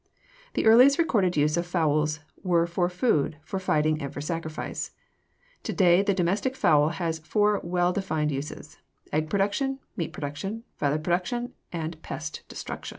The earliest recorded uses of fowls were for food, for fighting, and for sacrifice. To day the domestic fowl has four well defined uses egg production, meat production, feather production, and pest destruction.